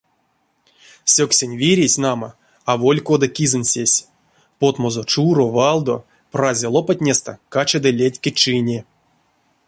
Сёксень виресь, нама, аволь кода кизэнсесь, потмозо чуро, валдо, празь лопатнестэ качады летьке чине.